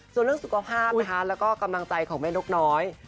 ส่วนสุขภาพและกรรมังใจของแม่นกน้อย